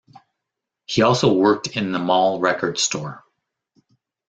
He also worked in the mall record store.